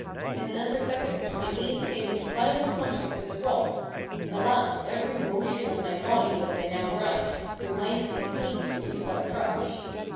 In another second my knees came into violent contact with a rock, (alas! every motion of my body, as I now write, reminds me painfully of that crash!)